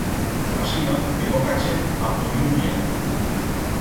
Asina que poca chent ha podiu vier-lo.